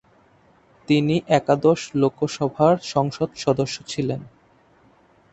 তিনি একাদশ লোকসভার সংসদ সদস্য ছিলেন।